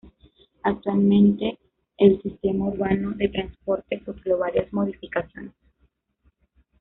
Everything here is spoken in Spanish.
Actualmente, el Sistema Urbano de Transporte sufrió varias modificaciones.